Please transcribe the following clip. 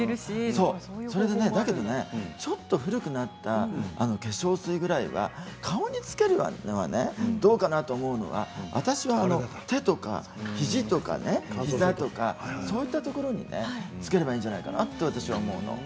ちょっと古くなった化粧水ぐらいは顔につけるのがどうかなと思うものは私は手とか肘とか膝とかそういったところにつければいいのかなと思うのよ。